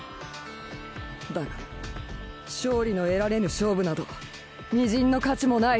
だが勝利の得られぬ勝負などみじんの価値もない！